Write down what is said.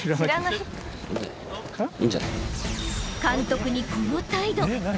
［監督にこの態度。